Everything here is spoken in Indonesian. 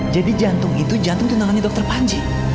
jadi jantung itu jantung tunangannya dokter panji